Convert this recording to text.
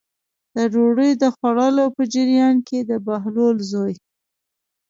د ډوډۍ د خوړلو په جریان کې د بهلول زوی.